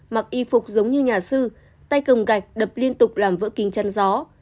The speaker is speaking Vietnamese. mặc y phục giống như nhà sư tay cầm gạch đập liên tục làm vỡ kính chăn gió